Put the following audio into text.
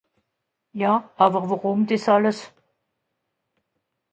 Ja àwer wùrùm dìs àlles ?